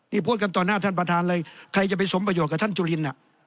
นี่พูดกันต่อหน้าท่านประธานเลยใครจะไปสมประโยชน์กับท่านจุลิน